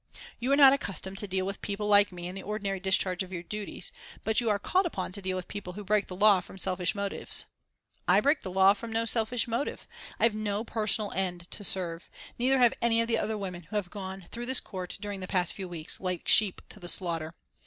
You are not accustomed to deal with people like me in the ordinary discharge of your duties; but you are called upon to deal with people who break the law from selfish motives. I break the law from no selfish motive. I have no personal end to serve, neither have any of the other women who have gone through this court during the past few weeks, like sheep to the slaughter.